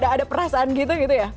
ada perasaan gitu ya